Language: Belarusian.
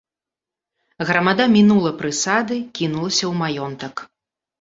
Грамада мінула прысады, кінулася ў маёнтак.